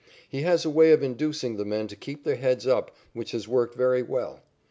He has a way of inducing the men to keep their heads up which has worked very well.